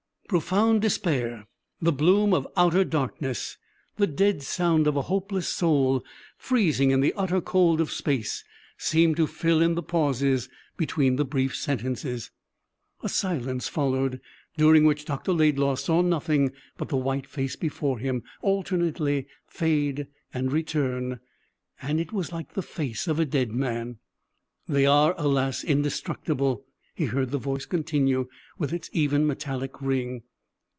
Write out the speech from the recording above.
Profound despair, the bloom of outer darkness, the dead sound of a hopeless soul freezing in the utter cold of space seemed to fill in the pauses between the brief sentences. A silence followed, during which Dr. Laidlaw saw nothing but the white face before him alternately fade and return. And it was like the face of a dead man. "They are, alas, indestructible," he heard the voice continue, with its even, metallic ring.